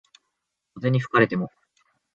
風に吹かれても